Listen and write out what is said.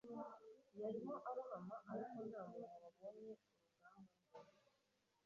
yarimo arohama, ariko nta muntu wabonye urugamba rwe